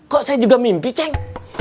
kok saya juga mimpi ceng